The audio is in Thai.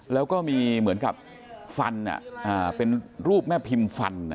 แล้วก็มีเหมือนกับฟันเป็นรูปแม่พิมพ์ฟัน